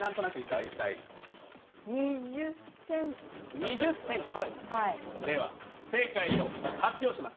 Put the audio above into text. ２０ｃｍ？では正解を発表します。